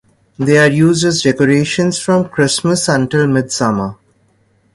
They are used as decorations from Christmas until Midsummer.